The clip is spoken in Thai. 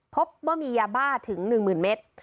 พบว่ามียาบ้าถึง๑๐๐๐เมตร